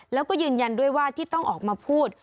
แล้วก็ยืนยันด้วยว่าที่ต้องออกมาพูด